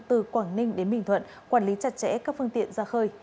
từ quảng ninh đến bình thuận quản lý chặt chẽ các phương tiện ra khơi